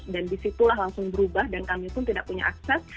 dan disitulah langsung berubah dan kami pun tidak punya akses